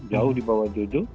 jauh di bawah jojo